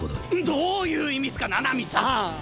どういう意味っすか七海さん！